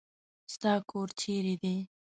ستا کور چېري دی ؟